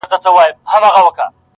پر هر ځای چي به ملګري وه ښاغلي.!